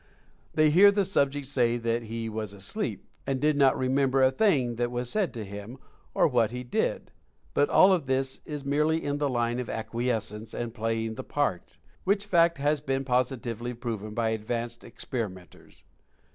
They hear the subject say that he was asleep, and did not remember a thing that was said to him, or what he did. But all of this is merely in the line of acquiescence, and "playing the 152 Mental Fascination part," which fact has been positively proven by ad vanced experimenters.